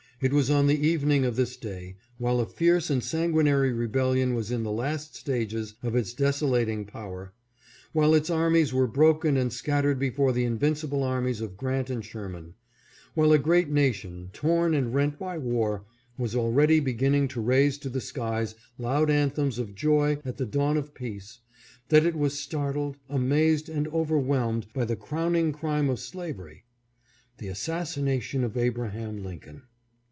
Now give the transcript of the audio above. It was on the evening of this day, while a fierce and sanguinary rebellion was in the las*; stages of its desolat ing power, while its armies were broken and scattered before the invincible armies of Grant and Sherman, while a great nation, torn and rent by war, was already begin ning to raise to the skies loud anthems of joy at the 598 HIS ASSASSINATION. dawn of peace, that it was startled, amazed, and over whelmed by the crowning crime of slavery — the assassina tion of Abraham Lincoln.